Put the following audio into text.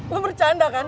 lo bercanda kan